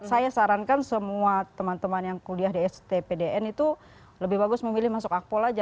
saya sarankan semua teman teman yang kuliah di st pdn itu lebih bagus memilih masuk akpol aja